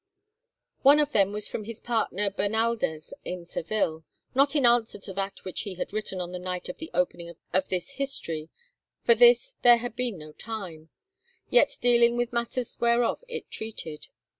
One of them was from his partner Bernaldez in Seville; not in answer to that which he had written on the night of the opening of this history—for this there had been no time—yet dealing with matters whereof it treated.